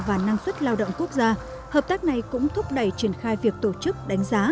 và năng suất lao động quốc gia hợp tác này cũng thúc đẩy triển khai việc tổ chức đánh giá